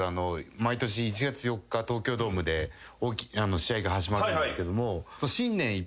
毎年１月４日東京ドームで試合が始まるんですけども。